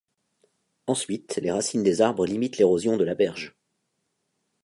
Ensuite, les racines des arbres limitent l'érosion de la berge.